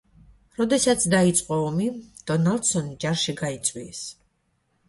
როდესაც დაიწყო ომი, დონალდსონი ჯარში გაიწვიეს.